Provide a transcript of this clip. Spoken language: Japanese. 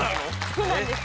そうなんです。